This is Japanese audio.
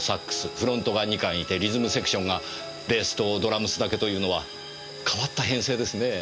フロントが２管いてリズムセクションがベースとドラムスだけというのは変わった編成ですねぇ。